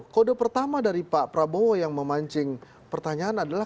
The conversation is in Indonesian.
kode pertama dari pak prabowo yang memancing pertanyaan adalah